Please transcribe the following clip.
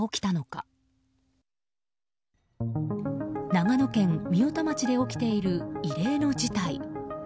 長野県御代田町で起きている異例の事態。